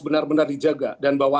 benar benar dijaga dan bahwa